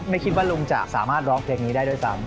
ไม่คิดว่าลุงจะสามารถร้องเพลงนี้ได้ด้วยซ้ำ